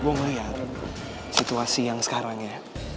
gue melihat situasi yang sekarang ya